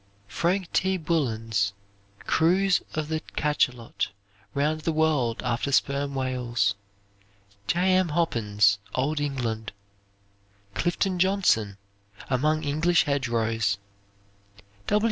Frank T. Bullen's "Cruise of the Cachelot Round the World After Sperm Wales." J. M. Hoppin's "Old England." Clifton Johnson, "Among English Hedgerows."